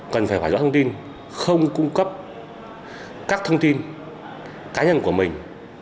cần phải rõ thông tin không cung cấp các thông tin cá nhân của mình